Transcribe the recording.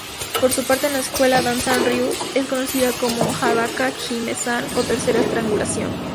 Por su parte, en la escuela Danzan-Ryu es conocida como "hadaka-jime-san" o tercera estrangulación.